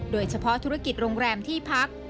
โดยเฉพาะธุรกิจโรงแรมที่พัก